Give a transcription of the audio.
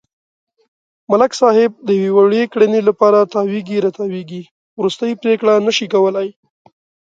ملک صاحب د یوې وړې کړنې لپاره تاوېږي را تاووېږي، ورستۍ پرېکړه نشي کولای.